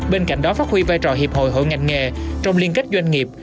bên cạnh đó phát huy vai trò hiệp hội hội ngành nghề trong liên kết doanh nghiệp